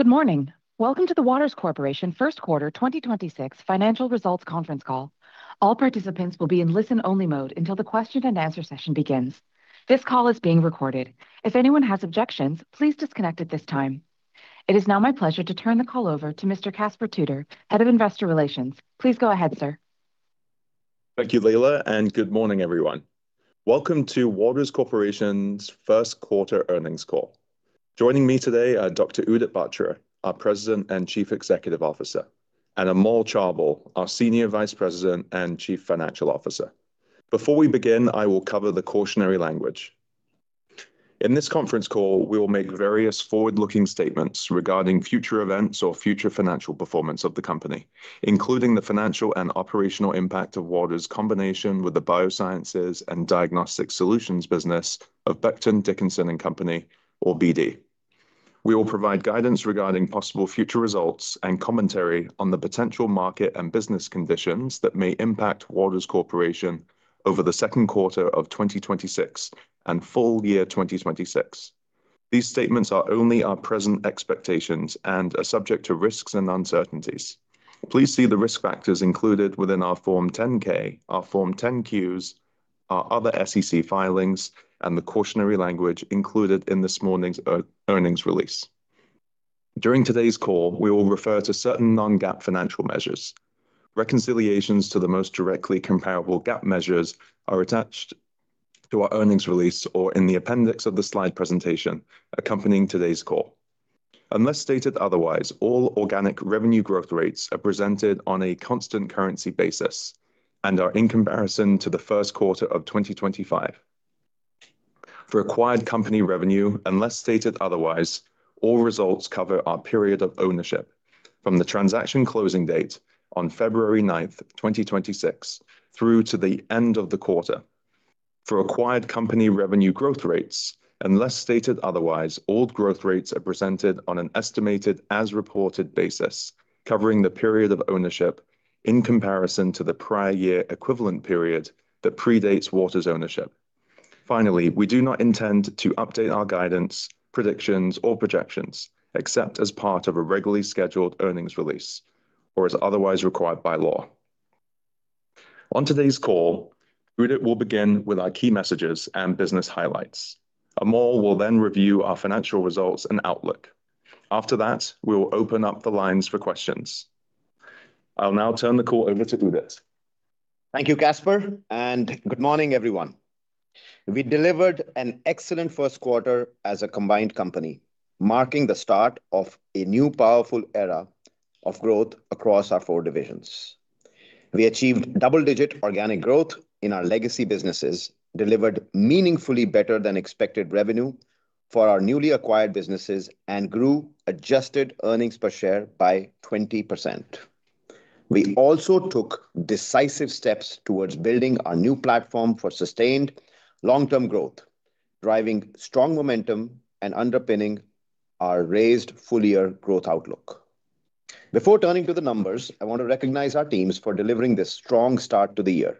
Good morning. Welcome to the Waters Corporation First Quarter 2026 Financial Results Conference Call. All participants will be in listen-only mode until the question and answer session begins. This call is being recorded. If anyone has objections, please disconnect at this time. It is now my pleasure to turn the call over to Mr. Caspar Tudor, Head of Investor Relations. Please go ahead, sir. Thank you, Layla. Good morning, everyone. Welcome to Waters Corporation's first quarter earnings call. Joining me today are Dr. Udit Batra, our President and Chief Executive Officer, and Amol Chaubal, our Senior Vice President and Chief Financial Officer. Before we begin, I will cover the cautionary language. In this conference call, we will make various forward-looking statements regarding future events or future financial performance of the company, including the financial and operational impact of Waters' combination with the Biosciences and Diagnostic Solutions business of Becton, Dickinson and Company, or BD. We will provide guidance regarding possible future results and commentary on the potential market and business conditions that may impact Waters Corporation over the second quarter of 2026 and full year 2026. These statements are only our present expectations and are subject to risks and uncertainties. Please see the risk factors included within our Form 10-K, our Form 10-Q, our other SEC filings, and the cautionary language included in this morning's earnings release. During today's call, we will refer to certain non-GAAP financial measures. Reconciliations to the most directly comparable GAAP measures are attached to our earnings release or in the appendix of the slide presentation accompanying today's call. Unless stated otherwise, all organic revenue growth rates are presented on a constant currency basis and are in comparison to the first quarter of 2025. For acquired company revenue, unless stated otherwise, all results cover our period of ownership from the transaction closing date on February 9th, 2026, through to the end of the quarter. For acquired company revenue growth rates, unless stated otherwise, all growth rates are presented on an estimated as reported basis covering the period of ownership in comparison to the prior year equivalent period that predates Waters ownership. We do not intend to update our guidance, predictions, or projections except as part of a regularly scheduled earnings release or as otherwise required by law. On today's call, Udit will begin with our key messages and business highlights. Amol will review our financial results and outlook. We will open up the lines for questions. I'll turn the call over to Udit. Thank you, Caspar. Good morning, everyone. We delivered an excellent first quarter as a combined company, marking the start of a new powerful era of growth across our four divisions. We achieved double-digit organic growth in our legacy businesses, delivered meaningfully better than expected revenue for our newly acquired businesses, and grew adjusted earnings per share by 20%. We also took decisive steps towards building our new platform for sustained long-term growth, driving strong momentum and underpinning our raised full-year growth outlook. Before turning to the numbers, I want to recognize our teams for delivering this strong start to the year.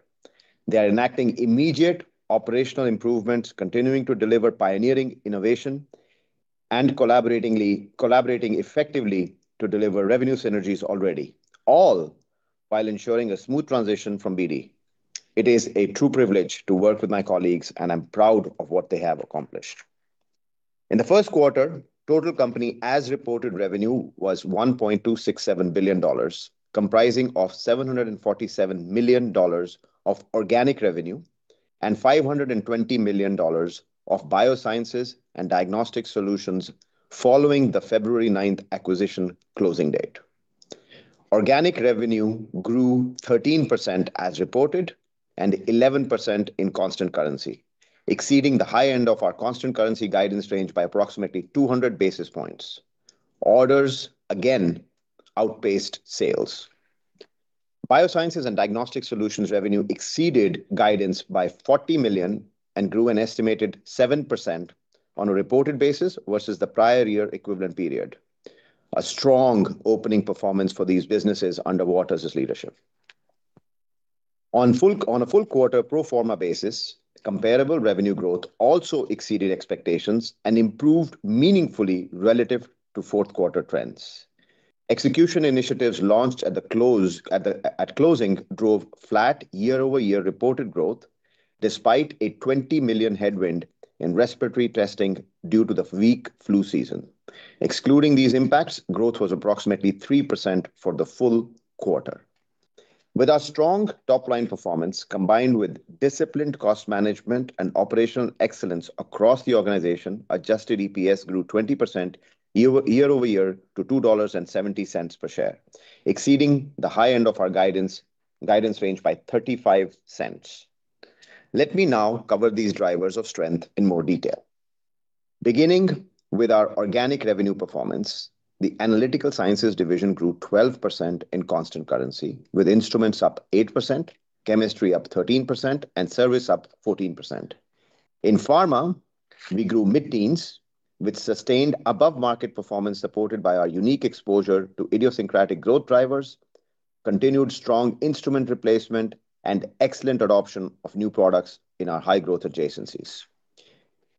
They are enacting immediate operational improvements, continuing to deliver pioneering innovation and collaborating effectively to deliver revenue synergies already, all while ensuring a smooth transition from BD. It is a true privilege to work with my colleagues. I'm proud of what they have accomplished. In the first quarter, total company as-reported revenue was $1.267 billion, comprising of $747 million of organic revenue and $520 million of Biosciences and Diagnostic Solutions following the February 9th acquisition closing date. Organic revenue grew 13% as reported and 11% in constant currency, exceeding the high end of our constant currency guidance range by approximately 200 basis points. Orders, again, outpaced sales. Biosciences and Diagnostic Solutions revenue exceeded guidance by $40 million and grew an estimated 7% on a reported basis versus the prior year equivalent period, a strong opening performance for these businesses under Waters' leadership. On a full quarter pro forma basis, comparable revenue growth also exceeded expectations and improved meaningfully relative to fourth quarter trends. Execution initiatives launched at the close, at closing drove flat year-over-year reported growth despite a $20 million headwind in respiratory testing due to the weak flu season. Excluding these impacts, growth was approximately 3% for the full quarter. With our strong top-line performance, combined with disciplined cost management and operational excellence across the organization, adjusted EPS grew 20% year-over-year to $2.70 per share, exceeding the high end of our guidance range by $0.35. Let me now cover these drivers of strength in more detail. Beginning with our organic revenue performance, the Analytical Sciences Division grew 12% in constant currency, with instruments up 8%, chemistry up 13%, and service up 14%. In pharma, we grew mid-teens with sustained above-market performance supported by our unique exposure to idiosyncratic growth drivers. Continued strong instrument replacement and excellent adoption of new products in our high growth adjacencies.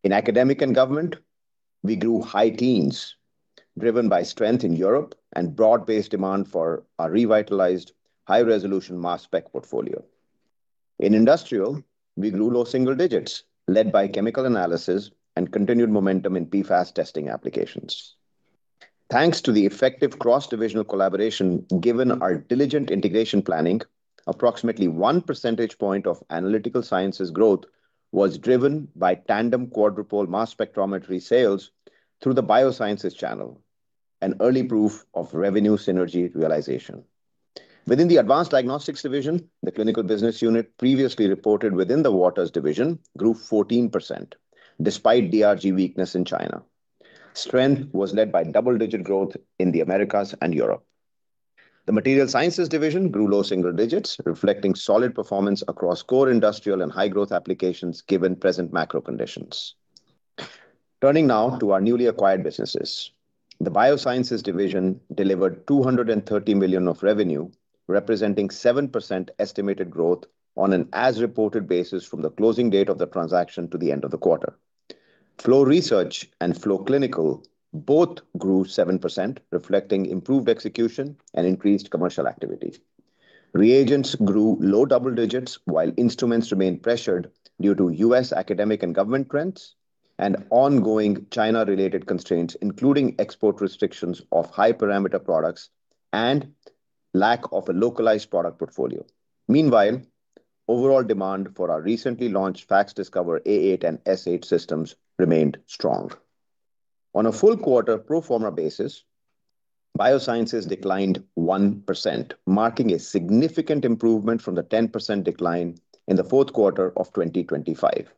In academic and government, we grew high teens, driven by strength in Europe and broad-based demand for our revitalized high-resolution mass spec portfolio. In industrial, we grew low single digits, led by chemical analysis and continued momentum in PFAS testing applications. Thanks to the effective cross-divisional collaboration given our diligent integration planning, approximately 1 percentage point of Analytical Sciences growth was driven by tandem quadrupole mass spectrometry sales through the Biosciences channel, an early proof of revenue synergy realization. Within the Advanced Diagnostics Division, the clinical business unit previously reported within the Waters division grew 14% despite DRG weakness in China. Strength was led by double-digit growth in the Americas and Europe. The Materials Sciences Division grew low single digits, reflecting solid performance across core industrial and high growth applications given present macro conditions. Turning now to our newly acquired businesses. The Biosciences Division delivered $230 million of revenue, representing 7% estimated growth on an as-reported basis from the closing date of the transaction to the end of the quarter. Flow Research and Flow Clinical both grew 7%, reflecting improved execution and increased commercial activity. Reagents grew low double digits while instruments remained pressured due to U.S. academic and government trends and ongoing China-related constraints, including export restrictions of high parameter products and lack of a localized product portfolio. Meanwhile, overall demand for our recently launched FACSDiscover A8 and S8 systems remained strong. On a full quarter pro forma basis, Biosciences declined 1%, marking a significant improvement from the 10% decline in the fourth quarter of 2025.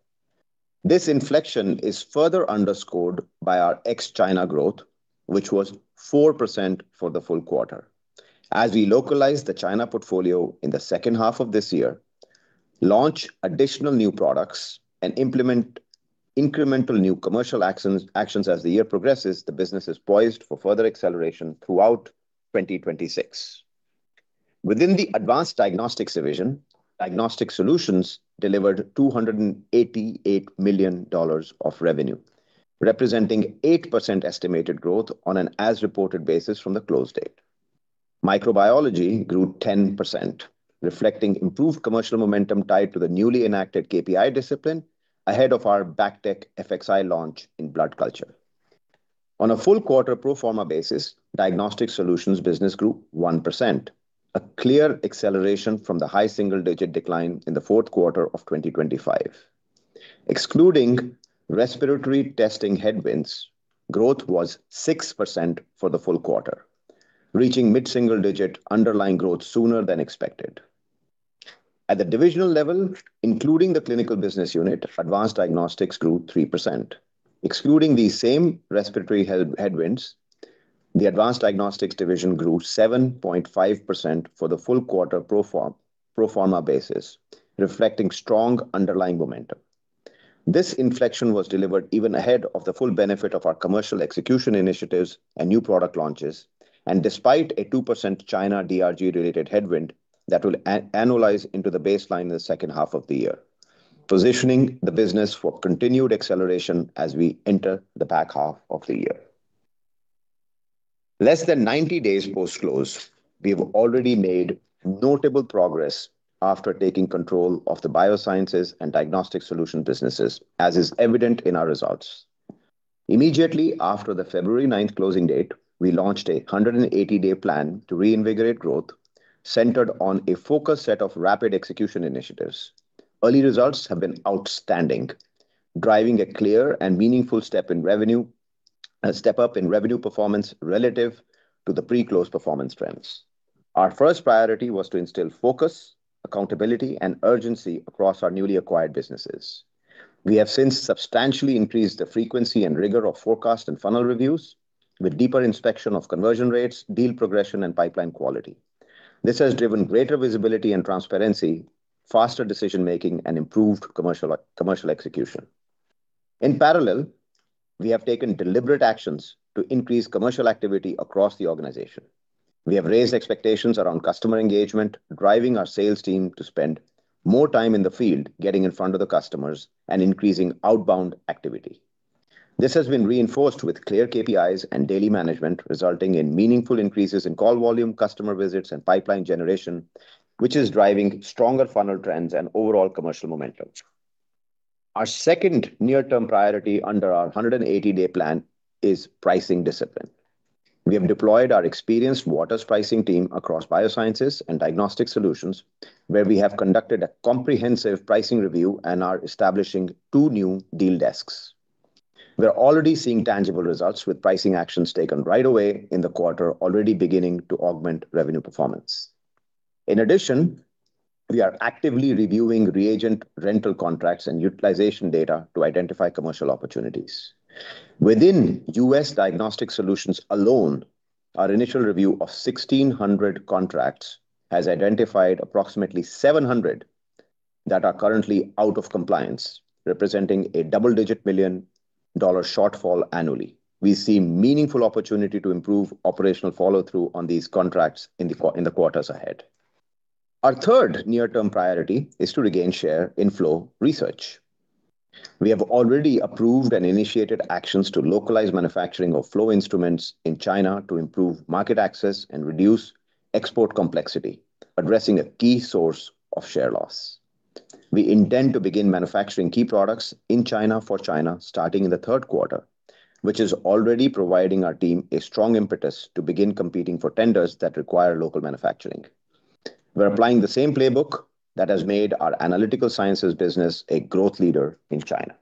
This inflection is further underscored by our ex-China growth, which was 4% for the full quarter. As we localize the China portfolio in the second half of this year, launch additional new products, and implement incremental new commercial actions as the year progresses, the business is poised for further acceleration throughout 2026. Within the Advanced Diagnostics Division, Diagnostic Solutions delivered $288 million of revenue, representing 8% estimated growth on an as-reported basis from the close date. Microbiology grew 10%, reflecting improved commercial momentum tied to the newly enacted KPI discipline ahead of our BACTEC FXI launch in blood culture. On a full quarter pro forma basis, Diagnostic Solutions business grew 1%, a clear acceleration from the high single-digit decline in the fourth quarter of 2025. Excluding respiratory testing headwinds, growth was 6% for the full quarter, reaching mid-single digit underlying growth sooner than expected. At the divisional level, including the clinical business unit, Advanced Diagnostics grew 3%. Excluding these same respiratory headwinds, the Advanced Diagnostics division grew 7.5% for the full quarter pro forma basis, reflecting strong underlying momentum. This inflection was delivered even ahead of the full benefit of our commercial execution initiatives and new product launches. Despite a 2% China DRG-related headwind that will annualize into the baseline in the second half of the year, positioning the business for continued acceleration as we enter the back half of the year. Less than 90 days post-close, we've already made notable progress after taking control of the Biosciences and Diagnostic Solution businesses, as is evident in our results. Immediately after the February 9th closing date, we launched a 180-day plan to reinvigorate growth centered on a focused set of rapid execution initiatives. Early results have been outstanding, driving a clear and meaningful step up in revenue performance relative to the pre-close performance trends. Our first priority was to instill focus, accountability, and urgency across our newly acquired businesses. We have since substantially increased the frequency and rigor of forecast and funnel reviews with deeper inspection of conversion rates, deal progression, and pipeline quality. This has driven greater visibility and transparency, faster decision-making, and improved commercial execution. In parallel, we have taken deliberate actions to increase commercial activity across the organization. We have raised expectations around customer engagement, driving our sales team to spend more time in the field, getting in front of the customers, and increasing outbound activity. This has been reinforced with clear KPIs and daily management, resulting in meaningful increases in call volume, customer visits, and pipeline generation, which is driving stronger funnel trends and overall commercial momentum. Our second near-term priority under our 180 day plan is pricing discipline. We have deployed our experienced Waters pricing team across Biosciences and Diagnostic Solutions, where we have conducted a comprehensive pricing review and are establishing two new deal desks. We're already seeing tangible results with pricing actions taken right away in the quarter, already beginning to augment revenue performance. In addition, we are actively reviewing reagent rental contracts and utilization data to identify commercial opportunities. Within U.S. Diagnostic Solutions alone, our initial review of 1,600 contracts has identified approximately 700 that are currently out of compliance, representing a double-digit million dollar shortfall annually. We see meaningful opportunity to improve operational follow-through on these contracts in the quarters ahead. Our third near-term priority is to regain share in Flow Research. We have already approved and initiated actions to localize manufacturing of flow instruments in China to improve market access and reduce export complexity, addressing a key source of share loss. We intend to begin manufacturing key products in China for China, starting in the third quarter, which is already providing our team a strong impetus to begin competing for tenders that require local manufacturing. We're applying the same playbook that has made our Analytical Sciences business a growth leader in China.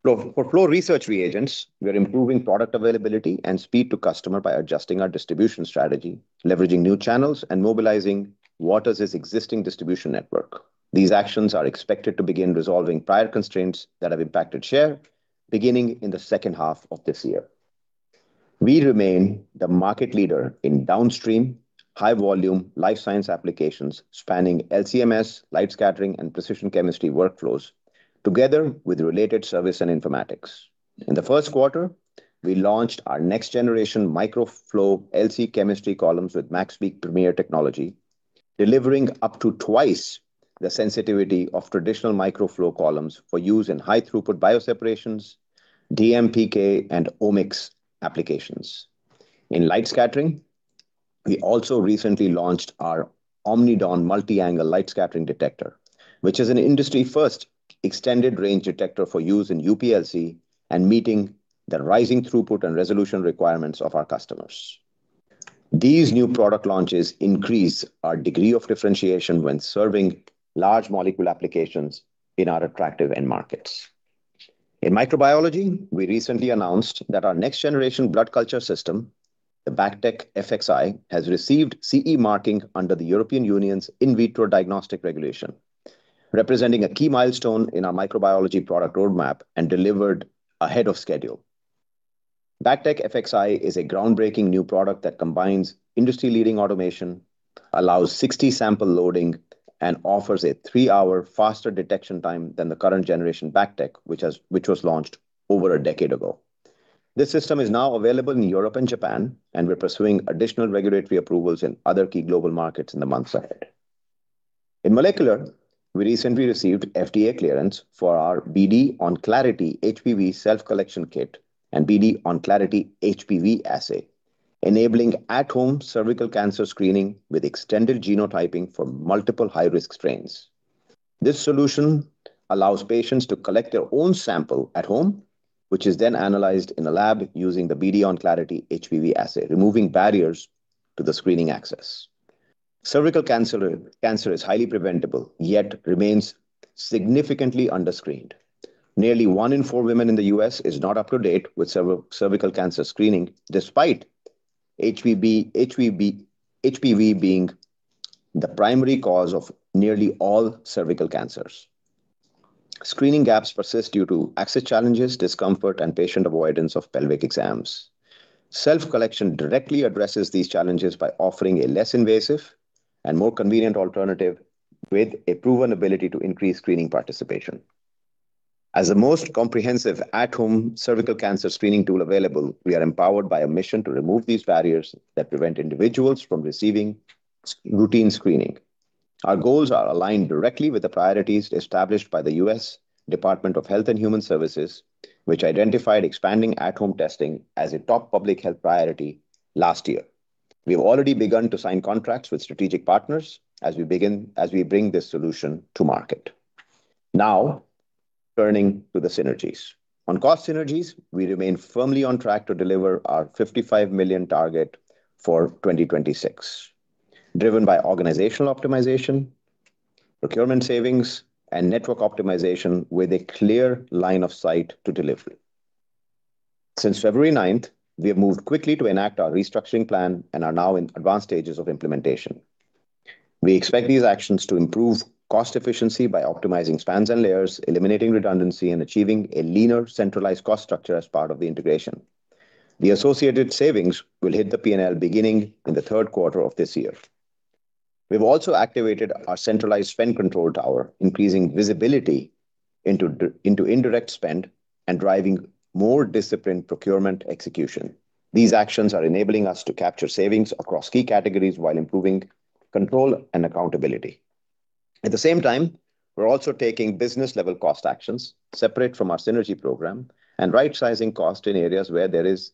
Flow, for flow research reagents, we are improving product availability and speed to customer by adjusting our distribution strategy, leveraging new channels, and mobilizing Waters' existing distribution network. These actions are expected to begin resolving prior constraints that have impacted share beginning in the second half of this year. We remain the market leader in downstream high volume life science applications spanning LC-MS, light scattering, and precision chemistry workflows together with related service and informatics. In the first quarter, we launched our next generation micro flow LC chemistry columns with MaxPeak Premier technology, delivering up to twice the sensitivity of traditional microflow columns for use in high throughput bioseparations, DMPK, and omics applications. In light scattering, we also recently launched our omniDAWN Multi-Angle Light Scattering detector, which is an industry-first extended range detector for use in UPLC and meeting the rising throughput and resolution requirements of our customers. These new product launches increase our degree of differentiation when serving large molecule applications in our attractive end markets. In microbiology, we recently announced that our next generation blood culture system, the BACTEC FXI, has received CE marking under the European Union's In Vitro Diagnostic Regulation, representing a key milestone in our microbiology product roadmap and delivered ahead of schedule. BACTEC FXI is a groundbreaking new product that combines industry-leading automation, allows 60 sample loading, and offers a three-hour faster detection time than the current generation BACTEC, which was launched over a decade ago. This system is now available in Europe and Japan. We're pursuing additional regulatory approvals in other key global markets in the months ahead. In molecular, we recently received FDA clearance for our BD Onclarity HPV self-collection kit and BD Onclarity HPV assay, enabling at-home cervical cancer screening with extended genotyping for multiple high-risk strains. This solution allows patients to collect their own sample at home, which is then analyzed in the lab using the BD Onclarity HPV assay, removing barriers to the screening access. Cervical cancer is highly preventable, yet remains significantly under-screened. Nearly one in four women in the U.S. is not up to date with cervical cancer screening, despite HPV being the primary cause of nearly all cervical cancers. Screening gaps persist due to access challenges, discomfort, and patient avoidance of pelvic exams. Self-collection directly addresses these challenges by offering a less invasive and more convenient alternative with a proven ability to increase screening participation. As the most comprehensive at-home cervical cancer screening tool available, we are empowered by a mission to remove these barriers that prevent individuals from receiving routine screening. Our goals are aligned directly with the priorities established by the U.S. Department of Health and Human Services, which identified expanding at-home testing as a top public health priority last year. We have already begun to sign contracts with strategic partners as we bring this solution to market. Turning to the synergies. On cost synergies, we remain firmly on track to deliver our $55 million target for 2026, driven by organizational optimization, procurement savings, and network optimization with a clear line of sight to delivery. Since February 9th, we have moved quickly to enact our restructuring plan and are now in advanced stages of implementation. We expect these actions to improve cost efficiency by optimizing spans and layers, eliminating redundancy, and achieving a leaner, centralized cost structure as part of the integration. The associated savings will hit the P&L beginning in the third quarter of this year. We've also activated our centralized spend control tower, increasing visibility into indirect spend and driving more disciplined procurement execution. These actions are enabling us to capture savings across key categories while improving control and accountability. At the same time, we're also taking business-level cost actions separate from our synergy program and rightsizing cost in areas where there is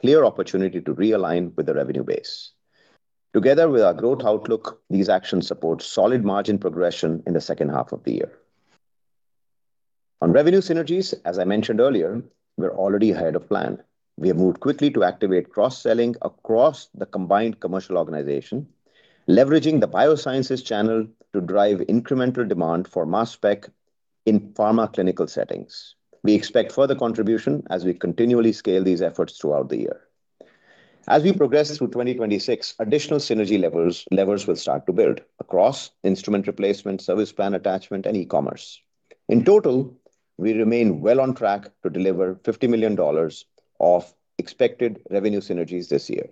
clear opportunity to realign with the revenue base. Together with our growth outlook, these actions support solid margin progression in the second half of the year. Revenue synergies, as I mentioned earlier, we're already ahead of plan. We have moved quickly to activate cross-selling across the combined commercial organization, leveraging the biosciences channel to drive incremental demand for mass spec in pharma clinical settings. We expect further contribution as we continually scale these efforts throughout the year. As we progress through 2026, additional synergy levels will start to build across instrument replacement, service plan attachment, and e-commerce. In total, we remain well on track to deliver $50 million of expected revenue synergies this year.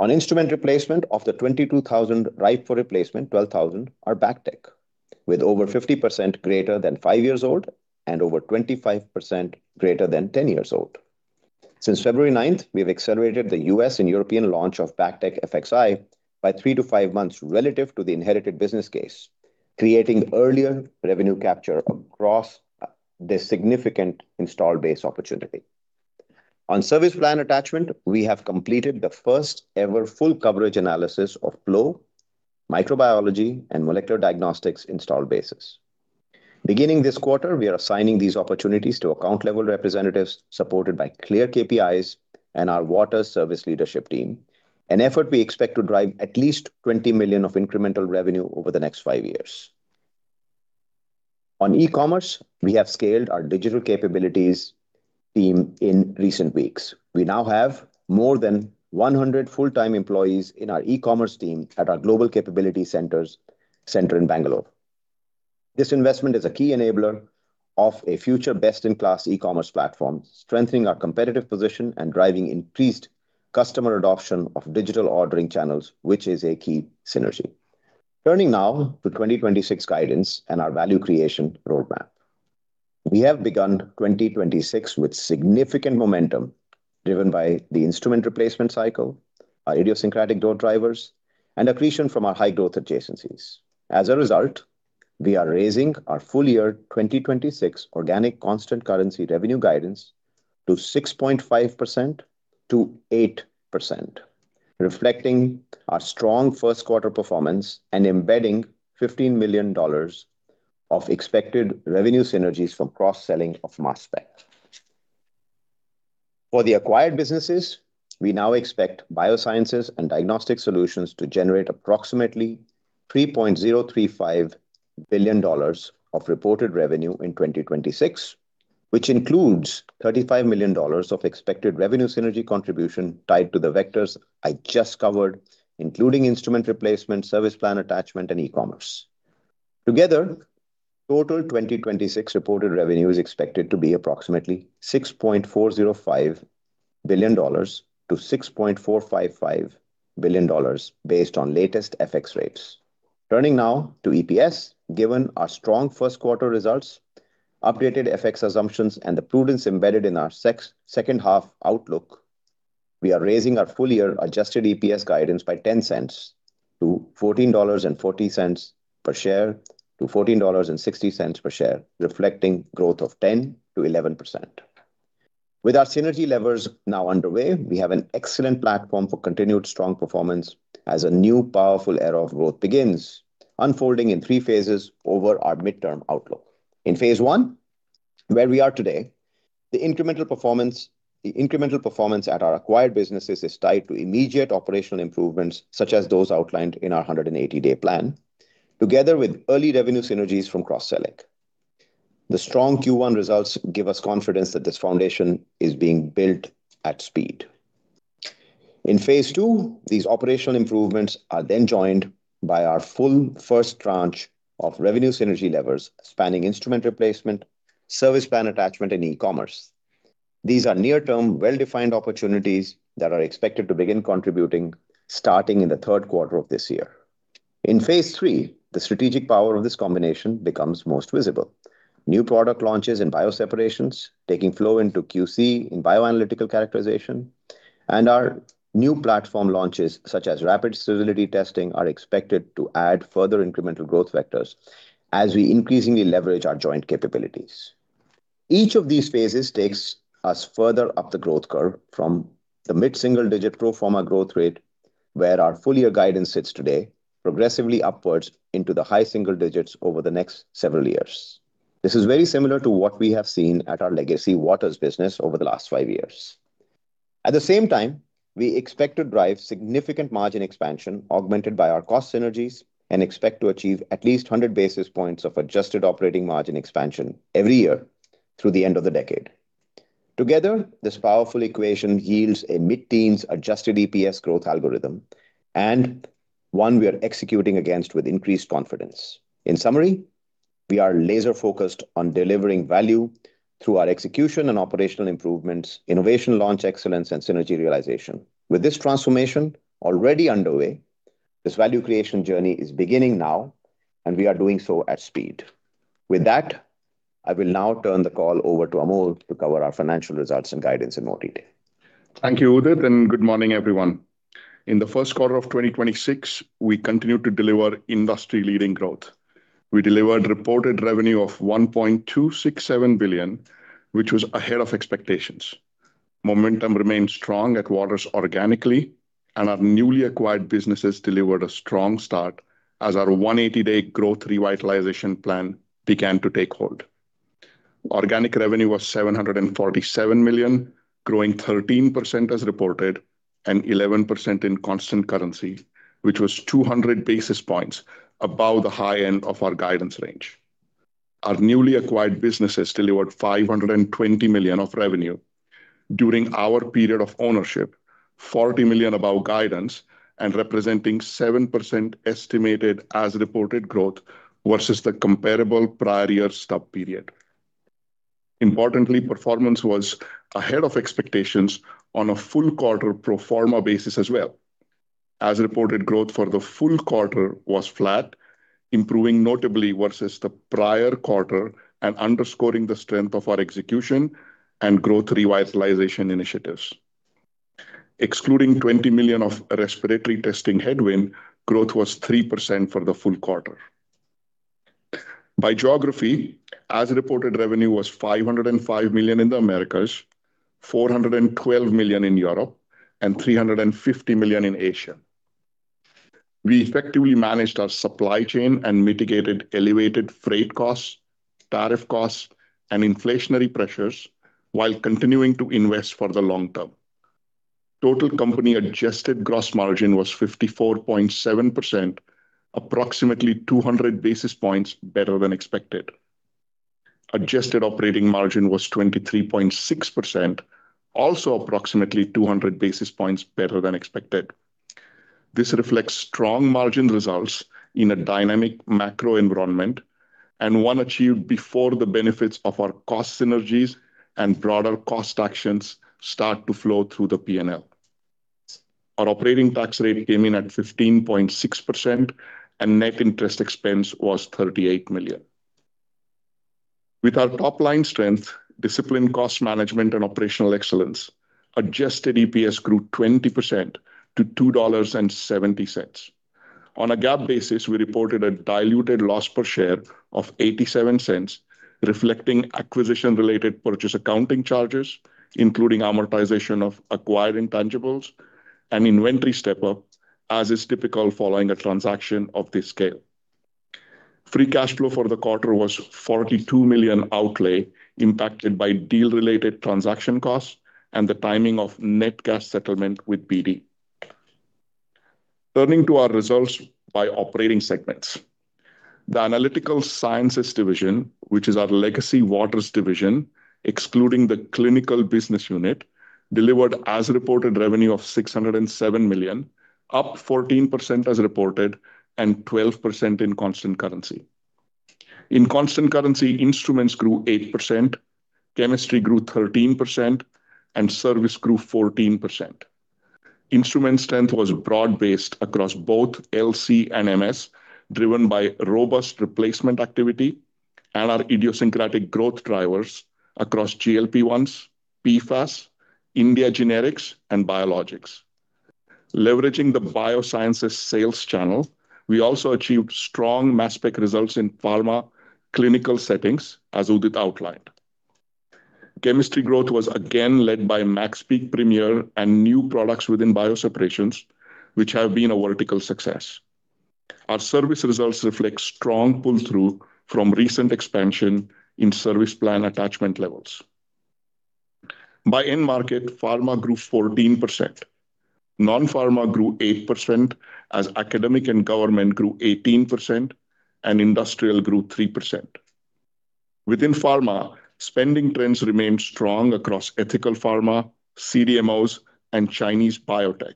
On instrument replacement, of the 22,000 ripe for replacement, 12,000 are BACTEC, with over 50% greater than five years old and over 25% greater than 10 years old. Since February 9th, we have accelerated the U.S. and European launch of BACTEC FXI by three to five months relative to the inherited business case, creating earlier revenue capture across the significant install base opportunity. On service plan attachment, we have completed the first-ever full coverage analysis of flow, microbiology, and molecular diagnostics installed bases. Beginning this quarter, we are assigning these opportunities to account-level representatives supported by clear KPIs and our Waters service leadership team, an effort we expect to drive at least $20 million of incremental revenue over the next five years. On e-commerce, we have scaled our digital capabilities team in recent weeks. We now have more than 100 full-time employees in our e-commerce team at our global capability center in Bangalore. This investment is a key enabler of a future best-in-class e-commerce platform, strengthening our competitive position and driving increased customer adoption of digital ordering channels, which is a key synergy. Turning now to 2026 guidance and our value creation roadmap. We have begun 2026 with significant momentum driven by the instrument replacement cycle, our idiosyncratic growth drivers, and accretion from our high growth adjacencies. As a result, we are raising our full year 2026 organic constant currency revenue guidance to 6.5%-8%, reflecting our strong first quarter performance and embedding $15 million of expected revenue synergies from cross-selling of Mass Spec. For the acquired businesses, we now expect Biosciences and Diagnostic Solutions to generate approximately $3.035 billion of reported revenue in 2026, which includes $35 million of expected revenue synergy contribution tied to the vectors I just covered, including instrument replacement, service plan attachment, and e-commerce. Together, total 2026 reported revenue is expected to be approximately $6.405 billion-$6.455 billion based on latest FX rates. Turning now to EPS. Given our strong first quarter results, updated FX assumptions, and the prudence embedded in our second half outlook, we are raising our full year adjusted EPS guidance by $0.10 to $14.40 per share to $14.60 per share, reflecting growth of 10%-11%. With our synergy levers now underway, we have an excellent platform for continued strong performance as a new powerful era of growth begins, unfolding in three phases over our midterm outlook. In phase I, where we are today, the incremental performance at our acquired businesses is tied to immediate operational improvements, such as those outlined in our 180-day plan, together with early revenue synergies from cross-selling. The strong Q1 results give us confidence that this foundation is being built at speed. In phase II, these operational improvements are then joined by our full first tranche of revenue synergy levers spanning instrument replacement, service plan attachment, and e-commerce. These are near-term, well-defined opportunities that are expected to begin contributing starting in the third quarter of this year. In phase III, the strategic power of this combination becomes most visible. New product launches in bioseparations, taking flow into QC in bioanalytical characterization, and our new platform launches, such as rapid stability testing, are expected to add further incremental growth vectors as we increasingly leverage our joint capabilities. Each of these phases takes us further up the growth curve from the mid-single digit pro forma growth rate, where our full year guidance sits today, progressively upwards into the high single digits over the next several years. This is very similar to what we have seen at our legacy Waters business over the last five years. At the same time, we expect to drive significant margin expansion augmented by our cost synergies and expect to achieve at least 100 basis points of adjusted operating margin expansion every year through the end of the decade. Together, this powerful equation yields a mid-teens adjusted EPS growth algorithm and one we are executing against with increased confidence. In summary, we are laser focused on delivering value through our execution and operational improvements, innovation launch excellence, and synergy realization. With this transformation already underway, this value creation journey is beginning now, and we are doing so at speed. With that, I will now turn the call over to Amol to cover our financial results and guidance in more detail. Thank you, Udit. Good morning, everyone. In the first quarter of 2026, we continued to deliver industry-leading growth. We delivered reported revenue of $1.267 billion, which was ahead of expectations. Momentum remained strong at Waters organically, and our newly acquired businesses delivered a strong start as our 180-day growth revitalization plan began to take hold. Organic revenue was $747 million, growing 13% as reported and 11% in constant currency, which was 200 basis points above the high end of our guidance range. Our newly acquired businesses delivered $520 million of revenue during our period of ownership, $40 million above guidance, and representing 7% estimated as reported growth versus the comparable prior year stub period. Importantly, performance was ahead of expectations on a full quarter pro forma basis as well. As reported, growth for the full quarter was flat, improving notably versus the prior quarter and underscoring the strength of our execution and growth revitalization initiatives. Excluding $20 million of respiratory testing headwind, growth was 3% for the full quarter. By geography, as reported, revenue was $505 million in the Americas, $412 million in Europe, and $350 million in Asia. We effectively managed our supply chain and mitigated elevated freight costs, tariff costs, and inflationary pressures while continuing to invest for the long term. Total company adjusted gross margin was 54.7%, approximately 200 basis points better than expected. Adjusted operating margin was 23.6%, also approximately 200 basis points better than expected. This reflects strong margin results in a dynamic macro environment and one achieved before the benefits of our cost synergies and broader cost actions start to flow through the P&L. Our operating tax rate came in at 15.6%, and net interest expense was $38 million. With our top line strength, disciplined cost management, and operational excellence, adjusted EPS grew 20% to $2.70. On a GAAP basis, we reported a diluted loss per share of $0.87, reflecting acquisition-related purchase accounting charges, including amortization of acquired intangibles and inventory step-up, as is typical following a transaction of this scale. Free cash flow for the quarter was $42 million outlay impacted by deal-related transaction costs and the timing of net cash settlement with BD. Turning to our results by operating segments. The Analytical Sciences Division, which is our legacy Waters division, excluding the clinical business unit, delivered as reported revenue of $607 million, up 14% as reported and 12% in constant currency. In constant currency, instruments grew 8%, chemistry grew 13%, and service grew 14%. Instrument strength was broad-based across both LC and MS, driven by robust replacement activity and our idiosyncratic growth drivers across GLP-1s, PFAS, India generics, and biologics. Leveraging the Biosciences sales channel, we also achieved strong mass spec results in pharma clinical settings, as Udit outlined. Chemistry growth was again led by MaxPeak Premier and new products within bioseparations, which have been a vertical success. Our service results reflect strong pull-through from recent expansion in service plan attachment levels. By end market, pharma grew 14%. Non-pharma grew 8% as academic and government grew 18%, and industrial grew 3%. Within pharma, spending trends remained strong across ethical pharma, CDMOs, and Chinese biotech.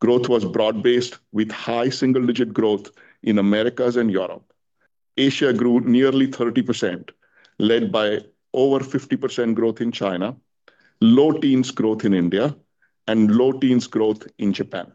Growth was broad-based with high single-digit growth in Americas and Europe. Asia grew nearly 30%, led by over 50% growth in China, low teens growth in India, and low teens growth in Japan.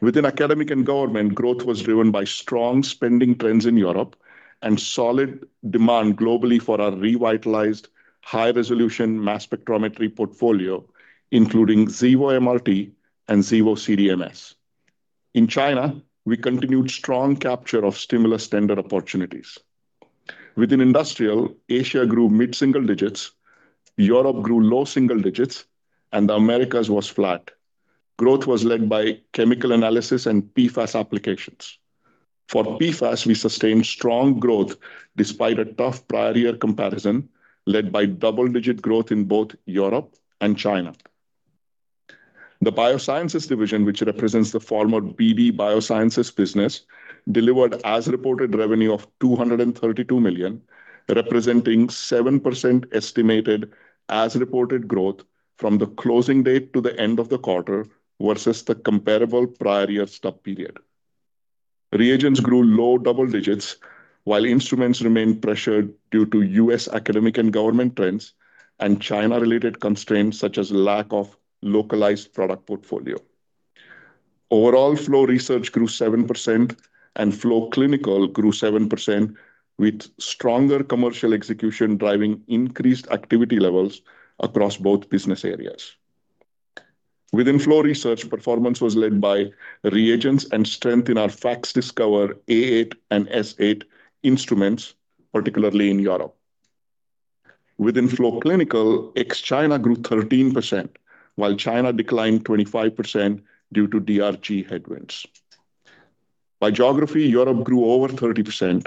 Within academic and government, growth was driven by strong spending trends in Europe and solid demand globally for our revitalized high-resolution mass spectrometry portfolio, including Xevo MRT and Xevo CDMS. In China, we continued strong capture of stimulus standard opportunities. Within industrial, Asia grew mid-single digits, Europe grew low-single digits, and the Americas was flat. Growth was led by chemical analysis and PFAS applications. For PFAS, we sustained strong growth despite a tough prior year comparison, led by double-digit growth in both Europe and China. The Biosciences Division, which represents the former BD Biosciences business, delivered as-reported revenue of $232 million, representing 7% estimated as-reported growth from the closing date to the end of the quarter versus the comparable prior year stub period. Reagents grew low double digits, while instruments remained pressured due to U.S. academic and government trends and China-related constraints such as lack of localized product portfolio. Overall, flow research grew 7%, and flow clinical grew 7%, with stronger commercial execution driving increased activity levels across both business areas. Within flow research, performance was led by reagents and strength in our FACSDiscover A8 and S8 instruments, particularly in Europe. Within flow clinical, ex-China grew 13%, while China declined 25% due to DRG headwinds. By geography, Europe grew over 30%,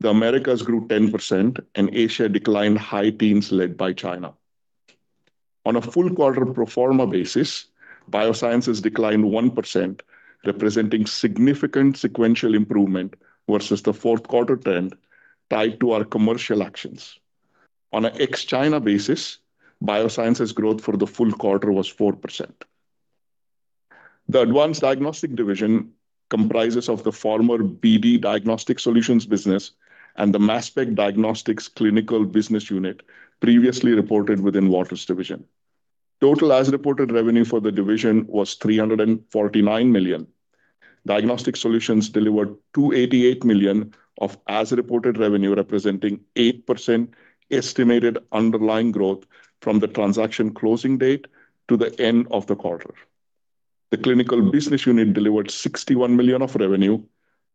the Americas grew 10%, and Asia declined high teens led by China. On a full quarter pro forma basis, Biosciences declined 1%, representing significant sequential improvement versus the fourth quarter trend tied to our commercial actions. On a ex-China basis, Biosciences growth for the full quarter was 4%. The Advanced Diagnostics Division comprises of the former BD Diagnostic Solutions business and the Mass Spec Diagnostics clinical business unit previously reported within Waters Division. Total as reported revenue for the division was $349 million. Diagnostic solutions delivered $288 million of as-reported revenue, representing 8% estimated underlying growth from the transaction closing date to the end of the quarter. The clinical business unit delivered $61 million of revenue,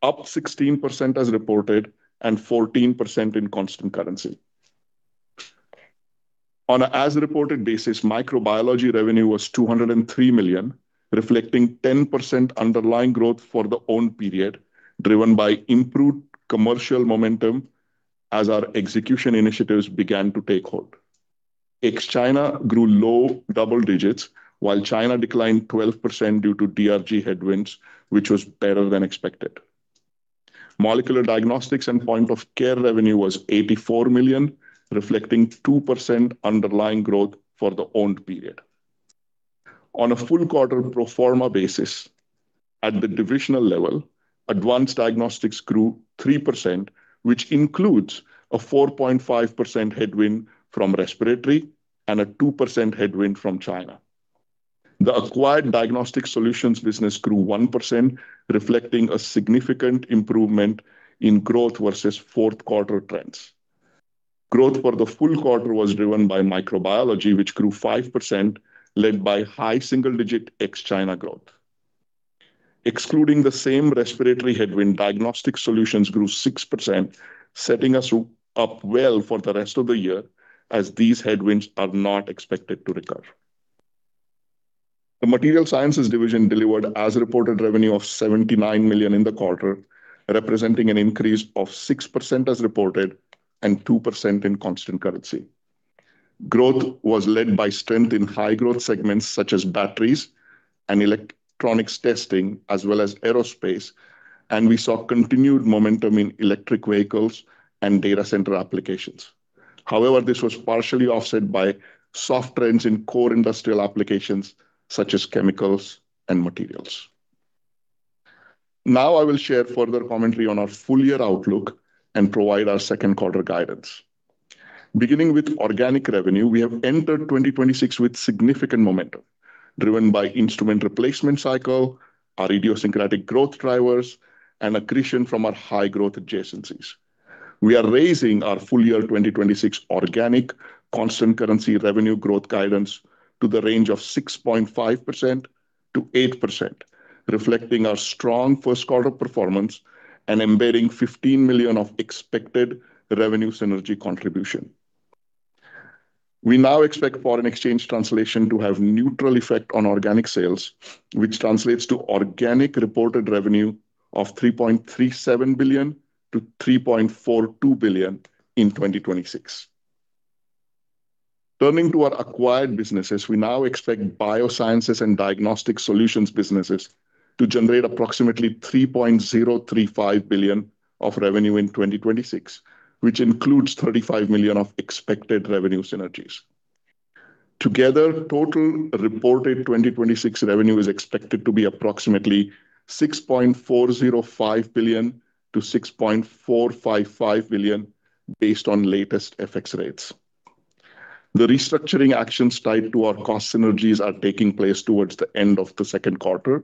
up 16% as reported and 14% in constant currency. On a as-reported basis, microbiology revenue was $203 million, reflecting 10% underlying growth for the own period, driven by improved commercial momentum as our execution initiatives began to take hold. Ex-China grew low double digits, while China declined 12% due to DRG headwinds, which was better than expected. Molecular diagnostics and point of care revenue was $84 million, reflecting 2% underlying growth for the owned period. On a full quarter pro forma basis at the divisional level, Advanced Diagnostics grew 3%, which includes a 4.5% headwind from respiratory and a 2% headwind from China. The acquired diagnostic solutions business grew 1%, reflecting a significant improvement in growth versus fourth quarter trends. Growth for the full quarter was driven by microbiology, which grew 5%, led by high single digit ex-China growth. Excluding the same respiratory headwind, Diagnostic Solutions grew 6%, setting us up well for the rest of the year as these headwinds are not expected to recur. The Materials Sciences Division delivered as-reported revenue of $79 million in the quarter, representing an increase of 6% as reported and 2% in constant currency. Growth was led by strength in high growth segments such as batteries and electronics testing, as well as aerospace. We saw continued momentum in electric vehicles and data center applications. This was partially offset by soft trends in core industrial applications such as chemicals and materials. I will share further commentary on our full year outlook and provide our second quarter guidance. Beginning with organic revenue, we have entered 2026 with significant momentum driven by instrument replacement cycle, our idiosyncratic growth drivers, and accretion from our high growth adjacencies. We are raising our full year 2026 organic constant currency revenue growth guidance to the range of 6.5%-8%, reflecting our strong first quarter performance and embedding $15 million of expected revenue synergy contribution. We now expect foreign exchange translation to have neutral effect on organic sales, which translates to organic reported revenue of $3.37 billion-$3.42 billion in 2026. Turning to our acquired businesses, we now expect Biosciences and Advanced Diagnostics Division businesses to generate approximately $3.035 billion of revenue in 2026, which includes $35 million of expected revenue synergies. Together, total reported 2026 revenue is expected to be approximately $6.405 billion-$6.455 billion based on latest FX rates. The restructuring actions tied to our cost synergies are taking place towards the end of the second quarter,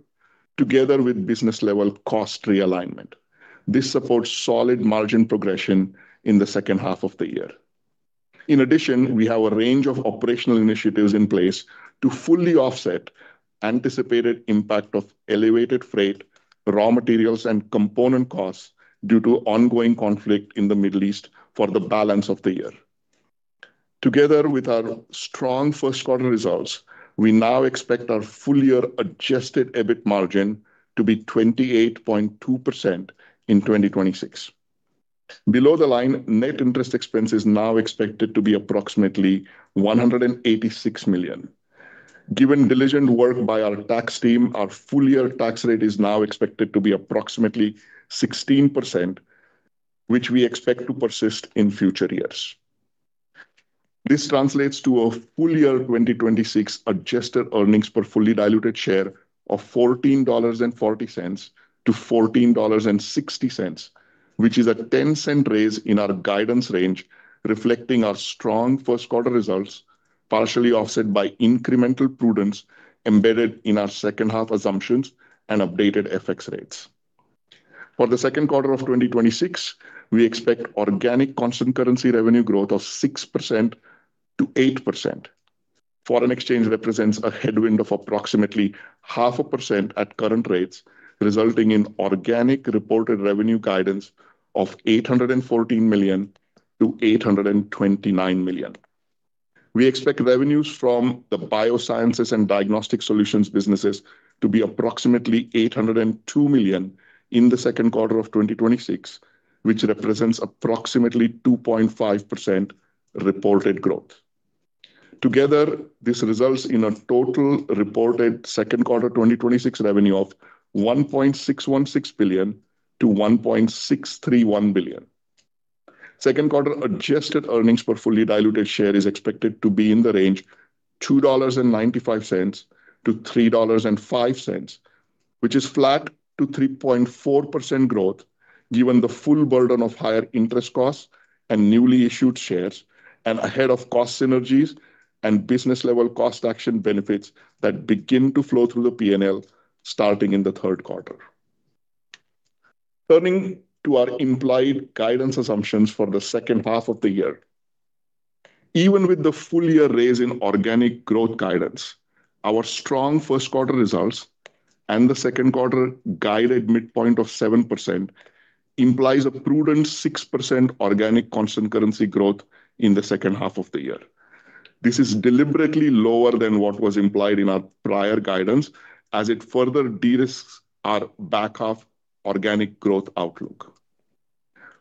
together with business level cost realignment. This supports solid margin progression in the second half of the year. In addition, we have a range of operational initiatives in place to fully offset anticipated impact of elevated freight, raw materials and component costs due to ongoing conflict in the Middle East for the balance of the year. Together with our strong first quarter results, we now expect our full year adjusted EBIT margin to be 28.2% in 2026. Below the line net interest expense is now expected to be approximately $186 million. Given diligent work by our tax team, our full year tax rate is now expected to be approximately 16%, which we expect to persist in future years. This translates to a full year 2026 adjusted earnings per fully diluted share of $14.40-$14.60, which is a $0.10 raise in our guidance range, reflecting our strong first quarter results, partially offset by incremental prudence embedded in our second half assumptions and updated FX rates. For the second quarter of 2026, we expect organic constant currency revenue growth of 6%-8%. Foreign exchange represents a headwind of approximately 0.5% at current rates, resulting in organic reported revenue guidance of $814 million-$829 million. We expect revenues from the Biosciences and Diagnostic Solutions businesses to be approximately $802 million in the second quarter of 2026, which represents approximately 2.5% reported growth. Together, this results in a total reported second quarter 2026 revenue of $1.616 billion-$1.631 billion. Second quarter adjusted earnings per fully diluted share is expected to be in the range $2.95-$3.05, which is flat to 3.4% growth given the full burden of higher interest costs and newly issued shares and ahead of cost synergies and business-level cost action benefits that begin to flow through the P&L starting in the third quarter. Turning to our implied guidance assumptions for the second half of the year. Even with the full-year raise in organic growth guidance, our strong first quarter results and the second quarter guided midpoint of 7% implies a prudent 6% organic constant currency growth in the second half of the year. This is deliberately lower than what was implied in our prior guidance as it further de-risks our back-half organic growth outlook.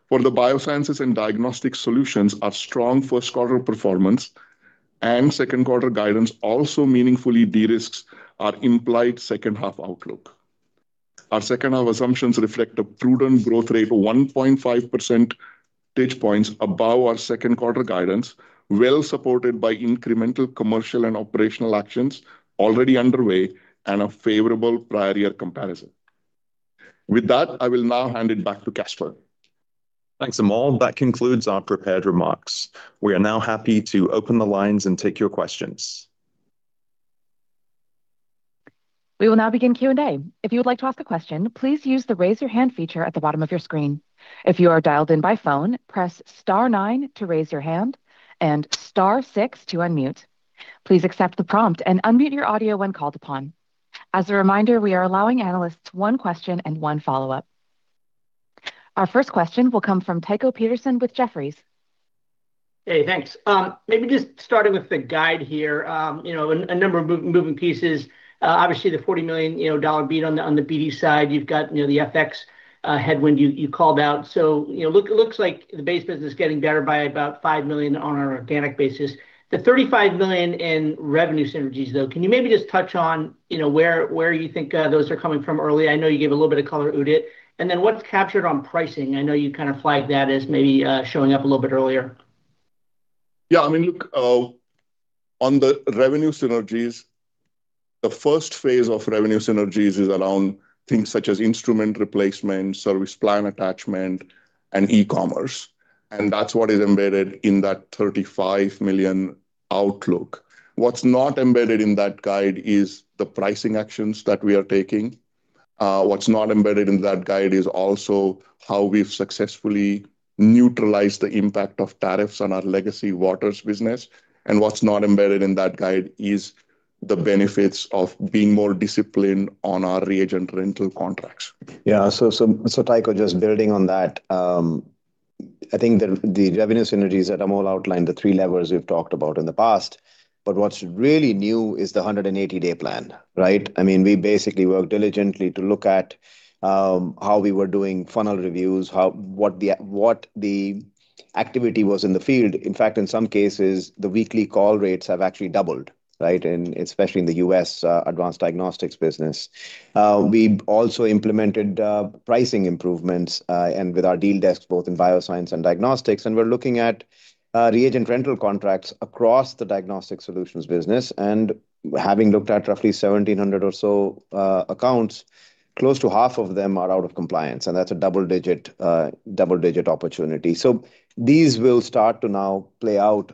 For the Biosciences and Diagnostic Solutions, our strong first quarter performance and second quarter guidance also meaningfully de-risks our implied second-half outlook. Our second-half assumptions reflect a prudent growth rate of 1.5%, percentage points above our second quarter guidance, well supported by incremental commercial and operational actions already underway and a favorable prior year comparison. With that, I will now hand it back to Caspar. Thanks, Amol. That concludes our prepared remarks. We are now happy to open the lines and take your questions. We will now begin Q&A. If you would like to ask a question, please use the Raise Your Hand feature at the bottom of your screen. If you are dialed in by phone, press star nine to raise your hand and star six to unmute. Please accept the prompt and unmute your audio when called upon. As a reminder, we are allowing analysts one question and one follow-up. Our first question will come from Tycho Peterson with Jefferies. Hey, thanks. Maybe just starting with the guide here, you know, a number of moving pieces. Obviously the $40 million, you know, beat on the BD side. You've got, you know, the FX headwind you called out. You know, look, it looks like the base business is getting better by about $5 million on an organic basis. The $35 million in revenue synergies, though, can you maybe just touch on, you know, where you think those are coming from early? I know you gave a little bit of color, Udit. What's captured on pricing? I know you kind of flagged that as maybe showing up a little bit earlier. I mean, look, on the revenue synergies, the first phase of revenue synergies is around things such as instrument replacement, service plan attachment, and e-commerce, and that's what is embedded in that $35 million outlook. What's not embedded in that guide is the pricing actions that we are taking. What's not embedded in that guide is also how we've successfully neutralized the impact of tariffs on our legacy Waters business. What's not embedded in that guide is the benefits of being more disciplined on our reagent rental contracts. Tycho, just building on that, the revenue synergies that Amol outlined, the three levers we've talked about in the past, what's really new is the 180-day plan, right? We basically worked diligently to look at how we were doing funnel reviews, what the activity was in the field. In fact, in some cases, the weekly call rates have actually doubled, right? Especially in the U.S. Advanced Diagnostics Division. We also implemented pricing improvements with our deal desks both in Biosciences and Advanced Diagnostics. We're looking at reagent rental contracts across the Advanced Diagnostics Division. Having looked at roughly 1,700 or so accounts, close to half of them are out of compliance, and that's a double-digit, double-digit opportunity. These will start to now play out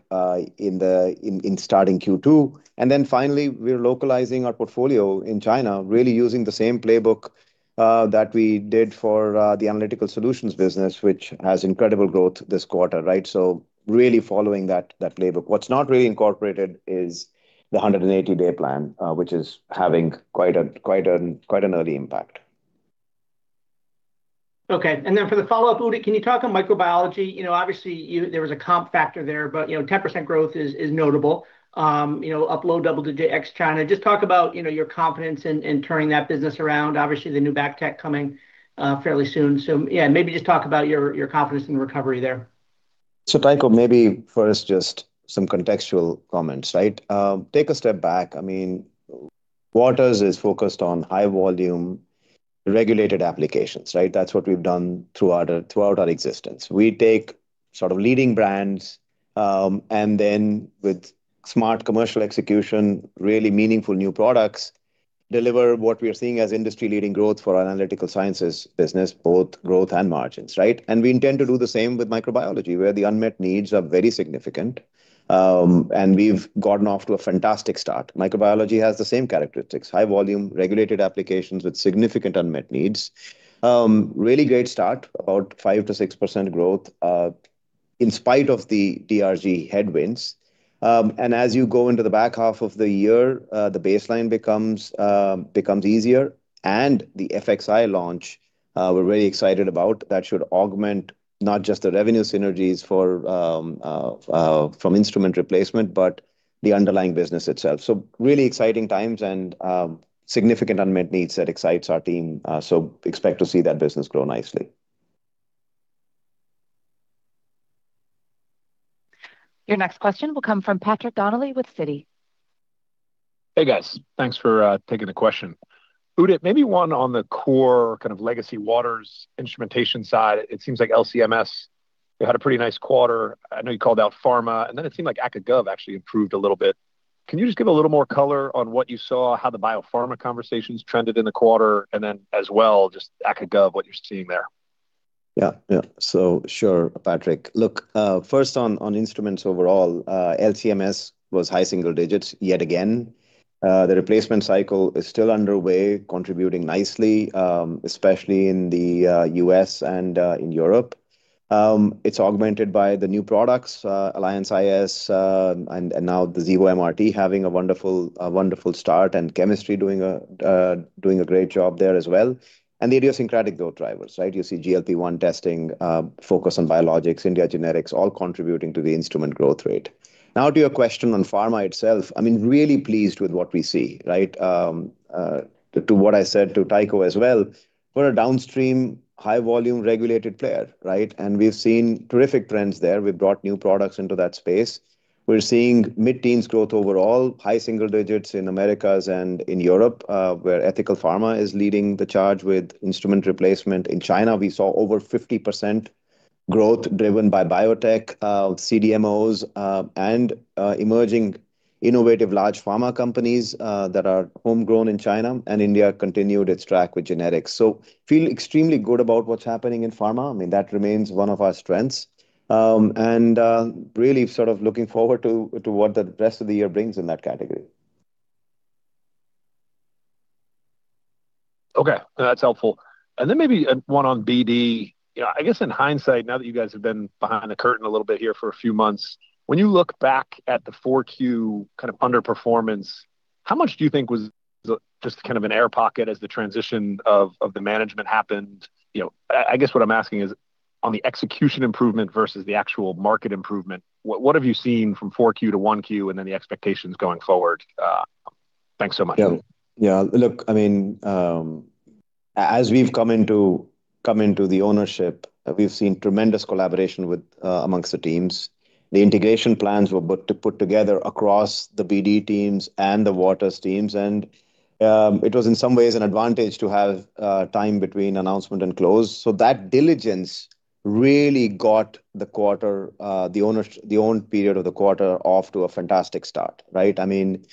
in starting Q2. Finally, we're localizing our portfolio in China, really using the same playbook that we did for the analytical solutions business, which has incredible growth this quarter, right? Really following that playbook. What's not really incorporated is the 180-day plan, which is having quite an early impact. Okay. For the follow-up, Udit, can you talk on microbiology? You know, obviously, there was a comp factor there, but, you know, 10% growth is notable. You know, upload double-digit ex-China. Just talk about, you know, your confidence in turning that business around. Obviously, the new BACTEC coming fairly soon. Yeah, maybe just talk about your confidence in recovery there. Tycho, maybe first just some contextual comments, right? Take a step back. I mean, Waters is focused on high-volume regulated applications, right? That's what we've done throughout our existence. We take sort of leading brands, and then with smart commercial execution, really meaningful new products, deliver what we are seeing as industry-leading growth for our Analytical Sciences business, both growth and margins, right? We intend to do the same with microbiology, where the unmet needs are very significant. We've gotten off to a fantastic start. Microbiology has the same characteristics, high volume, regulated applications with significant unmet needs. Really great start, about 5%-6% growth, in spite of the DRG headwinds. As you go into the back half of the year, the baseline becomes easier. The FXI launch, we're very excited about. That should augment not just the revenue synergies for from instrument replacement, but the underlying business itself. Really exciting times and significant unmet needs that excites our team. Expect to see that business grow nicely. Your next question will come from Patrick Donnelly with Citi. Hey, guys. Thanks for taking the question. Udit, maybe one on the core kind of legacy Waters instrumentation side. It seems like LC-MS, you had a pretty nice quarter. I know you called out pharma. It seemed like ACA gov actually improved a little bit. Can you just give a little more color on what you saw, how the biopharma conversations trended in the quarter? As well, just ACA gov, what you're seeing there. Sure, Patrick. Look, first on instruments overall, LC-MS was high single digits yet again. The replacement cycle is still underway, contributing nicely, especially in the U.S. and in Europe. It's augmented by the new products, Alliance iS, and now the Xevo MRT having a wonderful start, and chemistry doing a great job there as well. The idiosyncratic growth drivers, right? You see GLP-1 testing, focus on biologics, India generics, all contributing to the instrument growth rate. To your question on pharma itself, I mean, really pleased with what we see, right? To what I said to Tycho as well. We're a downstream high volume regulated player, right? We've seen terrific trends there. We've brought new products into that space. We're seeing mid-teens growth overall, high single digits in Americas and in Europe, where ethical pharma is leading the charge with instrument replacement. In China, we saw over 50% growth driven by biotech, CDMOs, and emerging innovative large pharma companies that are homegrown in China. India continued its track with generics. Feel extremely good about what's happening in pharma, and that remains one of our strengths. Really sort of looking forward to what the rest of the year brings in that category. Okay, that's helpful. Then maybe one on BD. You know, I guess in hindsight, now that you guys have been behind the curtain a little bit here for a few months, when you look back at the Q4 kind of underperformance, how much do you think was just kind of an air pocket as the transition of the management happened? You know, I guess what I'm asking is on the execution improvement versus the actual market improvement, what have you seen from Q4 to Q1, and then the expectations going forward? Thanks so much. Yeah, look, I mean, as we've come into the ownership, we've seen tremendous collaboration with amongst the teams. The integration plans were put together across the BD teams and the Waters teams. It was in some ways an advantage to have time between announcement and close. That diligence really got the quarter, the owned period of the quarter off to a fantastic start, right? I mean,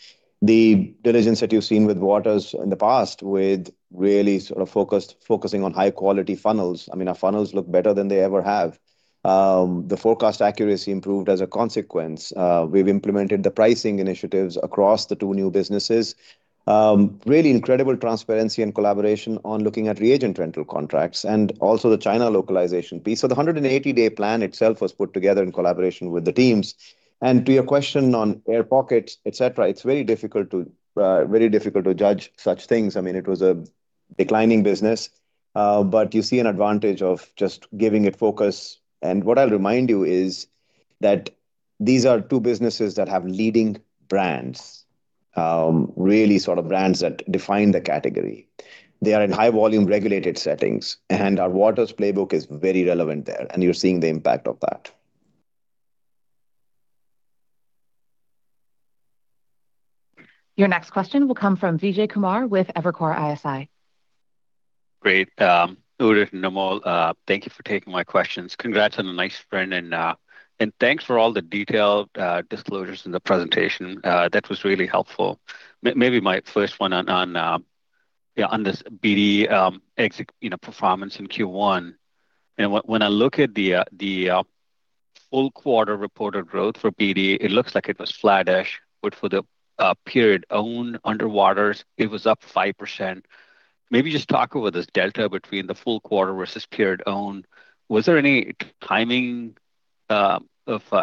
the diligence that you've seen with Waters in the past with really sort of focusing on high-quality funnels. I mean, our funnels look better than they ever have. The forecast accuracy improved as a consequence. We've implemented the pricing initiatives across the two new businesses. Really incredible transparency and collaboration on looking at reagent rental contracts and also the China localization piece. The 180-day plan itself was put together in collaboration with the teams. To your question on air pockets, et cetera, it's very difficult to judge such things. I mean, it was a declining business, you see an advantage of just giving it focus. What I'll remind you is that these are two businesses that have leading brands, really sort of brands that define the category. They are in high-volume regulated settings, and our Waters playbook is very relevant there, and you're seeing the impact of that. Your next question will come from Vijay Kumar with Evercore ISI. Great. Udit and Amol, thank you for taking my questions. Congrats on a nice trend and thanks for all the detailed disclosures in the presentation. That was really helpful. Maybe my first one on this BD exec performance in Q1. When I look at the full quarter reported growth for BD, it looks like it was flattish, but for the period owned under Waters, it was up 5%. Maybe just talk over this delta between the full quarter versus period owned. Was there any timing of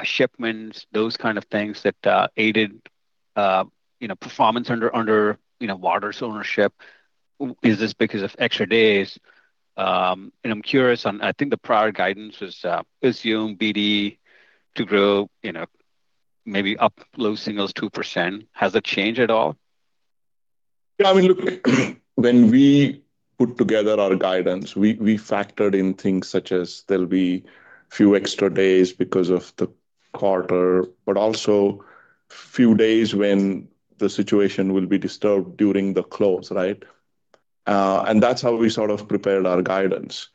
shipments, those kind of things that aided performance under Waters ownership? Is this because of extra days? I'm curious I think the prior guidance was, assume BD to grow, you know, maybe up low singles 2%. Has it changed at all? Yeah, I mean, look, when we put together our guidance, we factored in things such as there'll be few extra days because of the quarter, but also few days when the situation will be disturbed during the close. That's how we sort of prepared our guidance.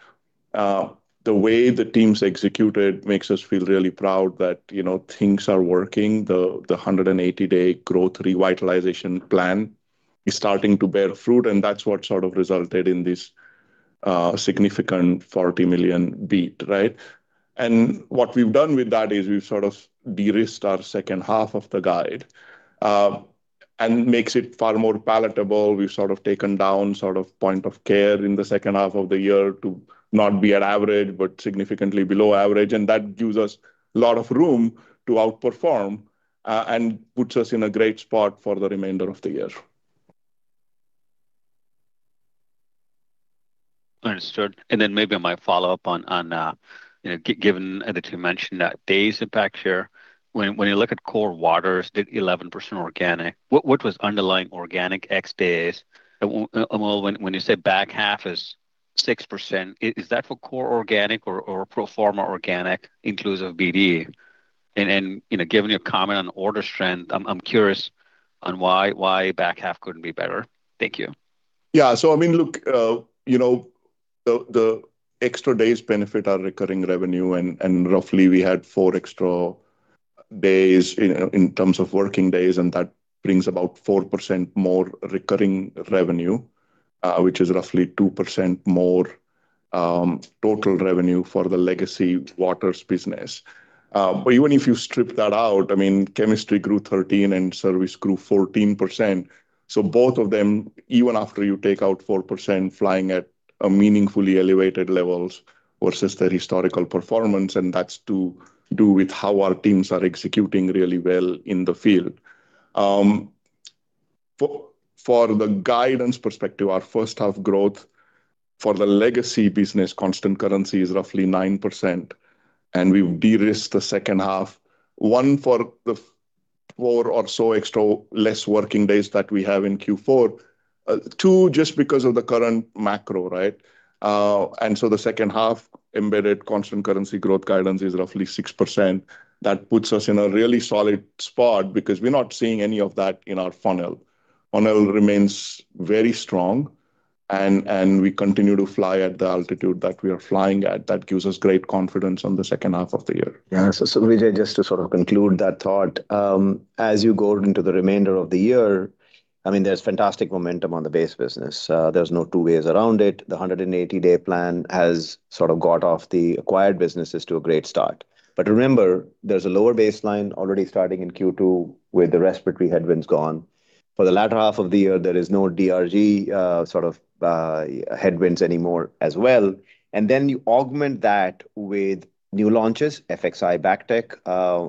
The way the teams executed makes us feel really proud that, you know, things are working. The 180-day growth revitalization plan is starting to bear fruit, and that's what sort of resulted in this significant $40 million beat. What we've done with that is we've sort of de-risked our second half of the guide, and makes it far more palatable. We've sort of taken down sort of point of care in the second half of the year to not be at average, but significantly below average. That gives us a lot of room to outperform and puts us in a great spot for the remainder of the year. Understood. Maybe my follow-up on, you know, given that you mentioned that days impact share. When you look at core Waters, the 11% organic, what was underlying organic X days? When you say back half is 6%. Is that for core organic or pro forma organic inclusive BD? You know, giving a comment on order strength, I'm curious on why back half couldn't be better. Thank you. I mean, look, the extra days benefit our recurring revenue and, roughly we had four extra days in terms of working days, and that brings about 4% more recurring revenue, which is roughly 2% more total revenue for the legacy Waters business. Even if you strip that out, I mean, chemistry grew 13 and service grew 14%, so both of them, even after you take out 4%, flying at a meaningfully elevated levels versus their historical performance, and that's to do with how our teams are executing really well in the field. For the guidance perspective, our first half growth for the legacy business constant currency is roughly 9%, and we've de-risked the second half, one, for the four or so extra less working days that we have in Q4. Two, just because of the current macro, right? The second half embedded constant currency growth guidance is roughly 6%. That puts us in a really solid spot because we're not seeing any of that in our funnel. Funnel remains very strong and we continue to fly at the altitude that we are flying at. That gives us great confidence on the second half of the year. Yeah. Vijay, just to sort of conclude that thought, as you go into the remainder of the year, I mean, there's fantastic momentum on the base business. There's no two ways around it. The 180-day plan has sort of got off the acquired businesses to a great start. Remember, there's a lower baseline already starting in Q2 with the respiratory headwinds gone. For the latter half of the year, there is no DRG sort of headwinds anymore as well. You augment that with new launches, FXI BACTEC,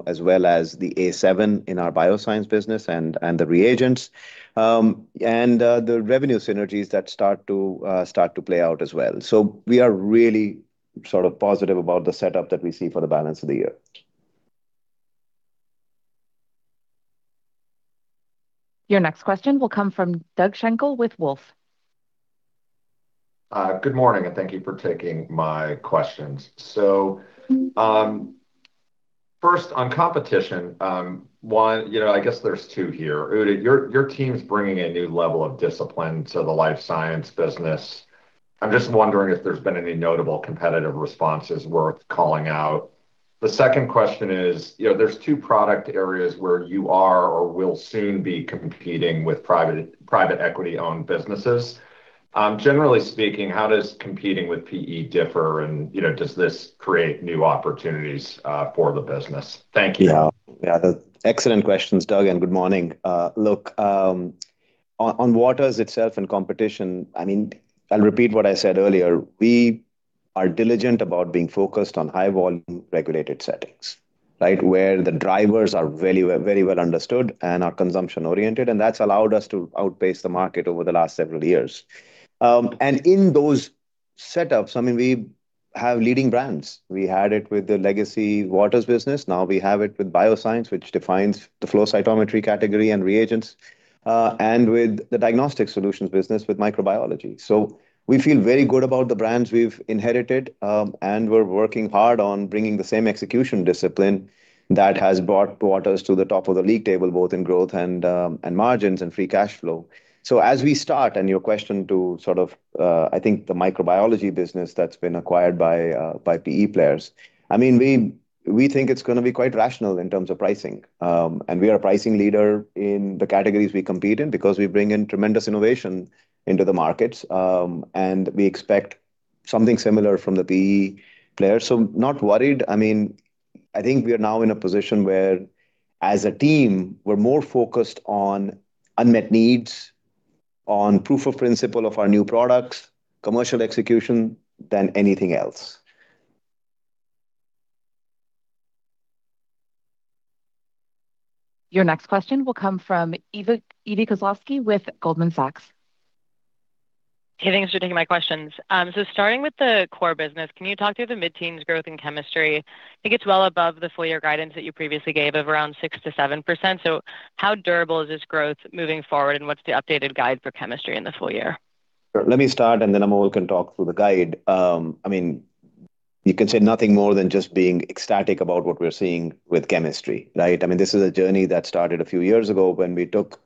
as well as the A7 in our Biosciences business and the reagents, and the revenue synergies that start to play out as well. We are really sort of positive about the setup that we see for the balance of the year. Your next question will come from Doug Schenkel with Wolfe. Good morning, thank you for taking my questions. First, on competition, one, you know, I guess there's two here. Udit, your team's bringing a new level of discipline to the life science business. I'm just wondering if there's been any notable competitive responses worth calling out. The second question is, you know, there's two product areas where you are or will soon be competing with private equity-owned businesses. Generally speaking, how does competing with PE differ and, you know, does this create new opportunities for the business? Thank you. Yeah. Excellent questions, Doug, and good morning. Look, on Waters itself and competition, I mean, I'll repeat what I said earlier. We are diligent about being focused on high volume regulated settings, right? Where the drivers are very well understood and are consumption oriented, and that's allowed us to outpace the market over the last several years. In those setups, I mean, we have leading brands. We had it with the legacy Waters business. Now we have it with Biosciences, which defines the flow cytometry category and reagents, and with the Diagnostic Solutions business with microbiology. We feel very good about the brands we've inherited, and we're working hard on bringing the same execution discipline that has brought Waters to the top of the league table, both in growth and margins and free cash flow. As we start, and your question to sort of, I think the microbiology business that's been acquired by PE players, I mean, we think it's gonna be quite rational in terms of pricing. We are a pricing leader in the categories we compete in because we bring in tremendous innovation into the markets, and we expect something similar from the PE players. Not worried. I mean, I think we are now in a position where, as a team, we're more focused on unmet needs, on proof of principle of our new products, commercial execution, than anything else. Your next question will come from Evie Koslosky with Goldman Sachs. Hey, thanks for taking my questions. Starting with the core business, can you talk through the mid-teens growth in chemistry? I think it's well above the full year guidance that you previously gave of around 6%-7%. How durable is this growth moving forward, and what's the updated guide for chemistry in the full year? Let me start, then Amol can talk through the guide. I mean, you can say nothing more than just being ecstatic about what we're seeing with chemistry, right? I mean, this is a journey that started a few years ago when we took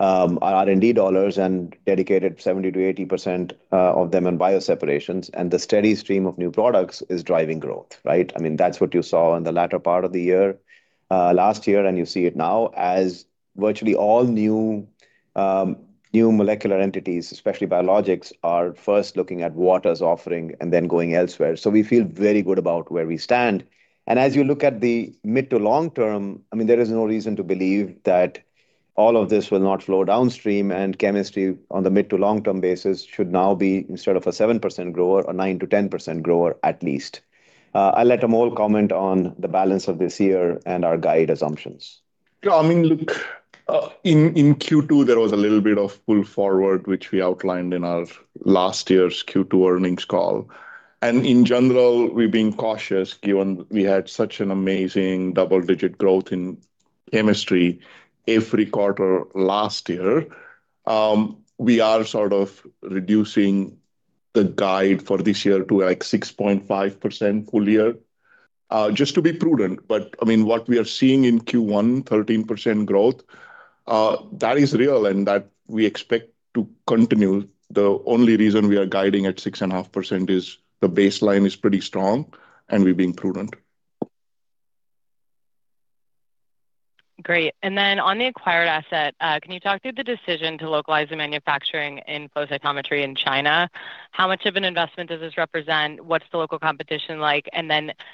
our R&D dollars and dedicated 70%-80% of them in bioseparations. The steady stream of new products is driving growth, right? I mean, that's what you saw in the latter part of the year last year. You see it now as virtually all new molecular entities, especially biologics, are first looking at Waters' offering and then going elsewhere. We feel very good about where we stand. As you look at the mid to long term, I mean, there is no reason to believe that all of this will not flow downstream. Chemistry on the mid to long term basis should now be instead of a 7% grower, a 9%-10% grower at least. I'll let Amol comment on the balance of this year and our guide assumptions. Yeah. I mean, look, in Q2, there was a little bit of pull forward, which we outlined in our last year's Q2 earnings call. In general, we're being cautious given we had such an amazing double-digit growth in Chemistry every quarter last year. We are sort of reducing the guide for this year to, like, 6.5% full year, just to be prudent. I mean, what we are seeing in Q1, 13% growth, that is real, and that we expect to continue. The only reason we are guiding at 6.5% is the baseline is pretty strong, and we're being prudent. Great. On the acquired asset, can you talk through the decision to localize the manufacturing in flow cytometry in China? How much of an investment does this represent? What's the local competition like?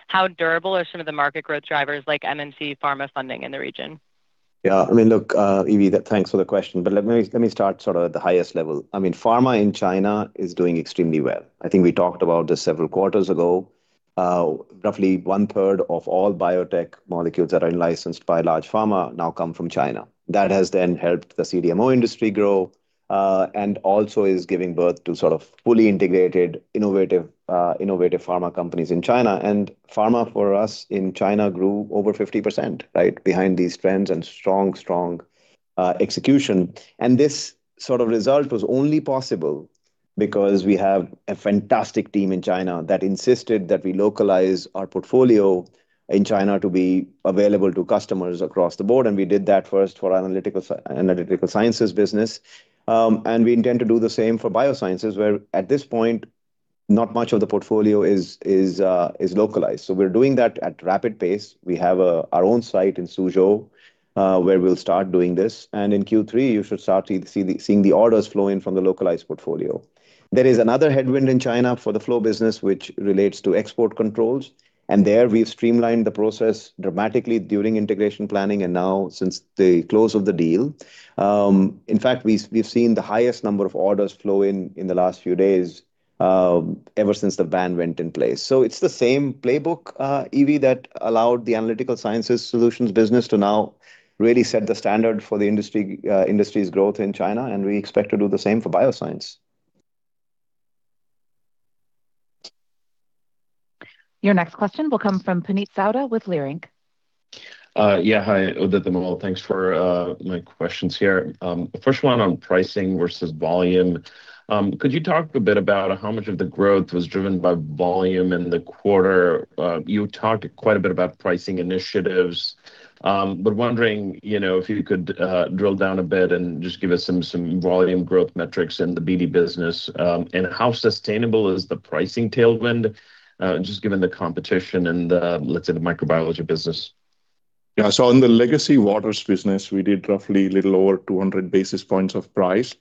How durable are some of the market growth drivers, like MNC pharma funding in the region? Yeah. I mean, look, Evie, thanks for the question, but let me start sort of at the highest level. I mean, pharma in China is doing extremely well. I think we talked about this several quarters ago. Roughly 1/3 of all biotech molecules that are licensed by large pharma now come from China. That has then helped the CDMO industry grow, and also is giving birth to sort of fully integrated, innovative pharma companies in China. Pharma for us in China grew over 50%, right? Behind these trends and strong execution. This sort of result was only possible because we have a fantastic team in China that insisted that we localize our portfolio in China to be available to customers across the board, and we did that first for Analytical Sciences business. We intend to do the same for Biosciences, where at this point, not much of the portfolio is localized. We're doing that at rapid pace. We have our own site in Suzhou, where we'll start doing this. In Q3, you should start to see seeing the orders flow in from the localized portfolio. There is another headwind in China for the flow business, which relates to export controls, and there we've streamlined the process dramatically during integration planning and now since the close of the deal. In fact, we've seen the highest number of orders flow in in the last few days, ever since the ban went in place. It's the same playbook, Eve, that allowed the Analytical Sciences Solution business to now really set the standard for the industry's growth in China, and we expect to do the same for Biosciences. Your next question will come from Puneet Souda with Leerink. Yeah. Hi, Udit and Amol. Thanks for my questions here. First one on pricing versus volume. Could you talk a bit about how much of the growth was driven by volume in the quarter? You talked quite a bit about pricing initiatives. Wondering, you know, if you could drill down a bit and just give us some volume growth metrics in the BD business. How sustainable is the pricing tailwind, just given the competition and the, let's say, the microbiology business? Yeah. On the legacy Waters business, we did roughly a little over 200 basis points of price,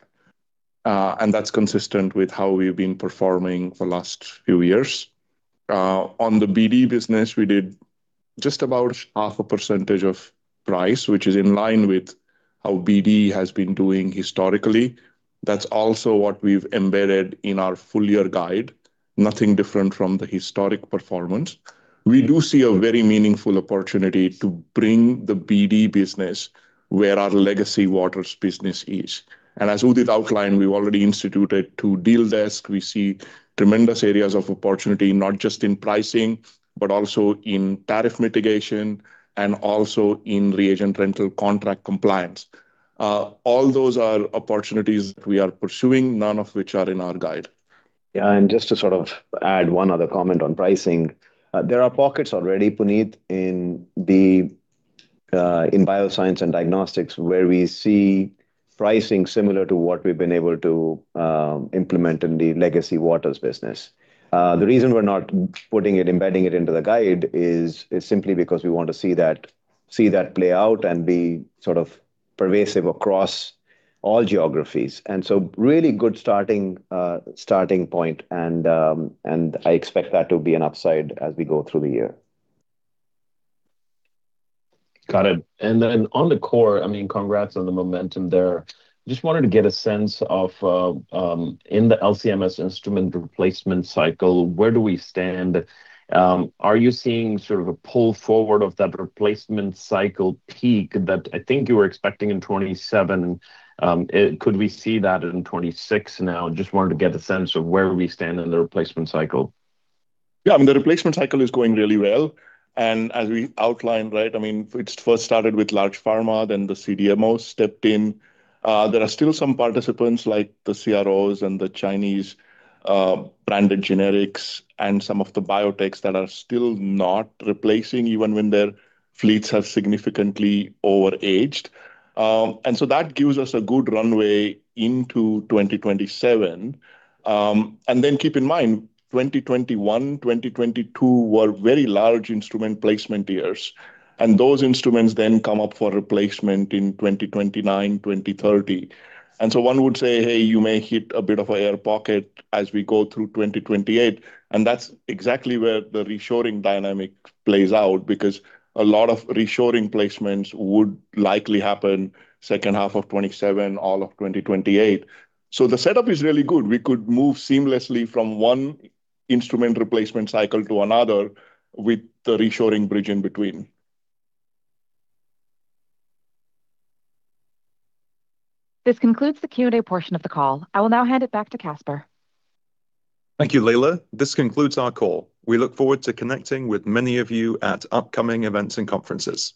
and that's consistent with how we've been performing for last few years. On the BD business, we did just about half a percentage of price, which is in line with how BD has been doing historically. That's also what we've embedded in our full-year guide, nothing different from the historic performance. We do see a very meaningful opportunity to bring the BD business where our legacy Waters business is. As Udit outlined, we've already instituted to deal desk. We see tremendous areas of opportunity, not just in pricing, but also in tariff mitigation and also in reagent rental contract compliance. All those are opportunities we are pursuing, none of which are in our guide. Yeah. Just to sort of add one other comment on pricing. There are pockets already, Puneet, in the Bioscience and diagnostics where we see pricing similar to what we've been able to implement in the legacy Waters business. The reason we're not putting it, embedding it into the guide is simply because we want to see that play out and be sort of pervasive across all geographies. Really good starting starting point, and I expect that to be an upside as we go through the year. Got it. Then on the core, I mean, congrats on the momentum there. Wanted to get a sense of, in the LC-MS instrument replacement cycle, where do we stand? Are you seeing sort of a pull forward of that replacement cycle peak that I think you were expecting in 2027? Could we see that in 2026 now? Wanted to get a sense of where we stand in the replacement cycle. Yeah. I mean, the replacement cycle is going really well. As we outlined, right, I mean, it first started with large pharma, then the CDMOs stepped in. There are still some participants like the CROs and the Chinese branded generics and some of the biotechs that are still not replacing even when their fleets have significantly overaged. That gives us a good runway into 2027. Keep in mind, 2021, 2022 were very large instrument placement years, and those instruments then come up for replacement in 2029, 2030. One would say, "Hey, you may hit a bit of a air pocket as we go through 2028." That's exactly where the reshoring dynamic plays out because a lot of reshoring placements would likely happen second half of 2027, all of 2028. The setup is really good. We could move seamlessly from one instrument replacement cycle to another with the reshoring bridge in between. This concludes the Q&A portion of the call. I will now hand it back to Caspar. Thank you, Layla. This concludes our call. We look forward to connecting with many of you at upcoming events and conferences.